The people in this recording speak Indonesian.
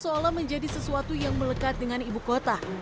seolah menjadi sesuatu yang melekat dengan ibu kota